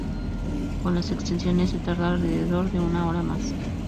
Con las extensiones, se tarda alrededor de una hora más.